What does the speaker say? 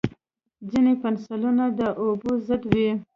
ځینې پنسلونه د اوبو ضد وي.